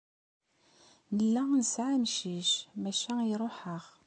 Nella nesɛa amcic, maca iruḥ-aɣ.